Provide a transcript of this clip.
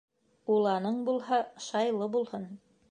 Уланың булһа, шайлы булһын.